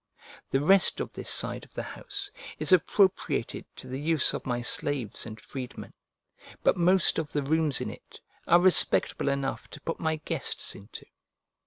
The rest of this side of the house is appropriated to the use of my slaves and freedmen; but most of the rooms in it are respectable enough to put my guests into.